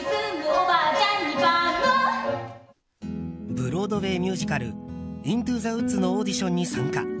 ブロードウェーミュージカル「イントゥ・ザ・ウッズ」のオーディションに参加。